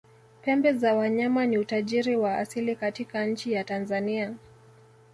pembe za wanyama ni utajiri wa asili katika nchi ya tanzania